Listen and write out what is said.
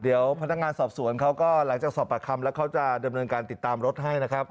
เดี๋ยวพนักงานสอบสวนเขาก็หลังจากสอบปากคำแล้วเขาจะดำเนินการติดตามรถให้นะครับ